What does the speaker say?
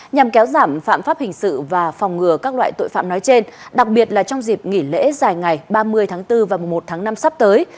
nhằm kéo giảm phạm pháp hình sự và phòng ngừa các loại tội phạm nói trên đặc biệt là trong dịp nghỉ lễ dài ngày ba mươi tháng bốn và một tháng năm sắp tới